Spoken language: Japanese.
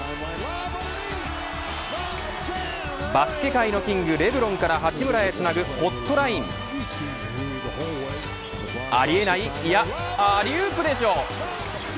バスケ界のキング、レブロンから八村へつなぐホットラインありえない、いやありウープでしょ。